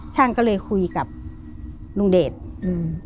ช่างก็เลยคุยกับลุงเดชอืม